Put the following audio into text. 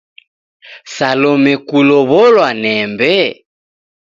Salome kulow'olwa nembe?